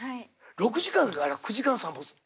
６時間から９時間散歩するの？